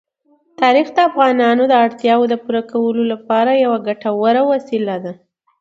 تاریخ د افغانانو د اړتیاوو د پوره کولو لپاره یوه ګټوره وسیله ده.